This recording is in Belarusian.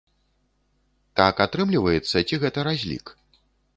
Так атрымліваецца ці гэта разлік?